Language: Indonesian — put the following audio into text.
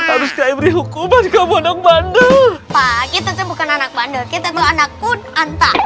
harus kayak beri hukuman kamu anak bandel pak kita bukan anak bandel kita anak kunanta